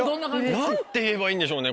何て言えばいいんでしょうね